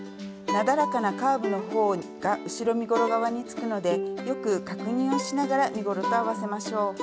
なだらかなカーブの方が後ろ身ごろ側につくのでよく確認をしながら身ごろと合わせましょう。